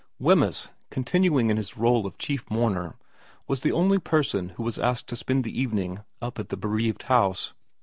Wemyss, continuing in his role of chief mourner, was the only person who was asked to spend the evening up at the bereaved house.